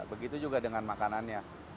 begitu juga dengan makanannya